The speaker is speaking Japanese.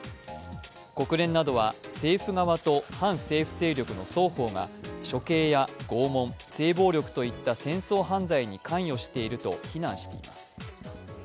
国連などは政府側と反政府勢力の双方が処刑や拷問、性暴力と行った戦争犯罪に関与していると非難しています。